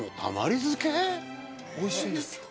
おいしいんですよ。